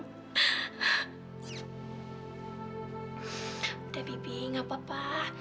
udah bibi gak apa apa